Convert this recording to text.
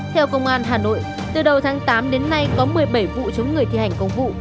theo công an hà nội từ đầu tháng tám đến nay có một mươi bảy vụ chống người thi hành công vụ